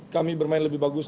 kami bermain lebih bagus